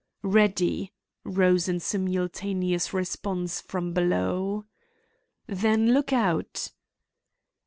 "Ready!" rose in simultaneous response from below. "Then look out!"